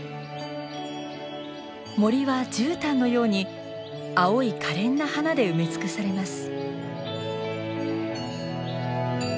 森は絨毯のように青いかれんな花で埋め尽くされます。